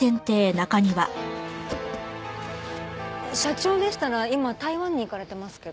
社長でしたら今台湾に行かれてますけど。